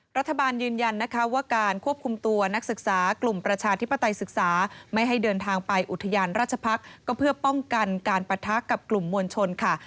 รัฐบาลยืนยันนะคะว่าการควบคุมตัวนักศึกษากลุ่มประชาธิปไตยศึกษาไม่ให้เดินทางไปอุทยานราชพักษ์ก็เพื่อป้องกันการปะทะกับกลุ่มมวลชนค่ะ